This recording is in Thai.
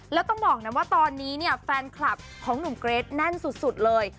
แล้วต้องบอกนะว่าตอนนี้เนี่ยแฟนคลับของหนุ่มเกรทแน่นสุดเลย